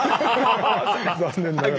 残念ながら。